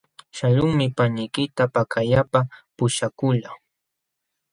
Shaqlunmi paniykita pakallapa puśhakuqlaa.